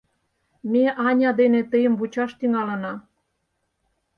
Ме Аня дене тыйым вучаш тӱҥалына.